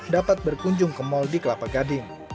dapat berkunjung ke mal di kelapa gading